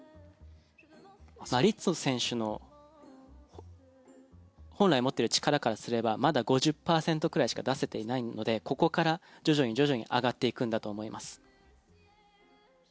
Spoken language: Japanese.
リッツォ選手の本来持っている力からすればまだ５０％ぐらいしか出せていないのでここから徐々に徐々に上がっていくんだと思います。